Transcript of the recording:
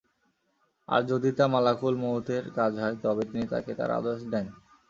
আর যদি তা মালাকুল মউতের কাজ হয় তবে তিনি তাকে তার আদেশ দেন।